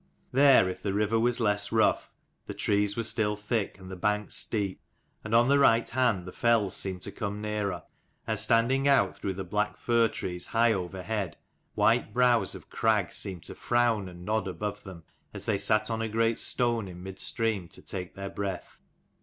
There, if the river was less rough, the trees were still thick and the banks steep : and on the right hand the fells seemed to come nearer : and standing out through the black fir trees high over head, white brows of crag seemed to frown and nod above them, as they sat on a great stone in mid stream to take their breath.